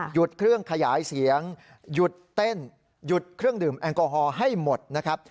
หยุดเครื่องขยายเสียงหยุดเต้นหยุดเครื่องดื่มแอลกอฮอล์ให้หมดนะครับ